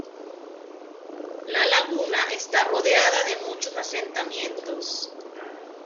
La laguna está rodeada de muchos asentamientos.